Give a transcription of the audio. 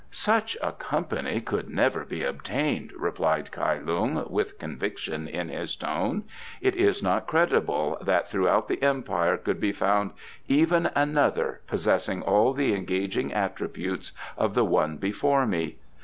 "Such a company could never be obtained," replied Kai Lung, with conviction in his tone. "It is not credible that throughout the Empire could be found even another possessing all the engaging attributes of the one before me.